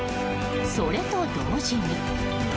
それと同時に。